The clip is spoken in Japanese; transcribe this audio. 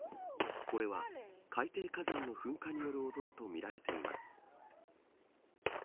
これは、海底火山の噴火による音だとみられています。